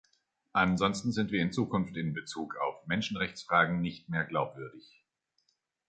Ansonsten sind wir in Zukunft in Bezug auf Menschenrechtsfragen nicht mehr glaubwürdig.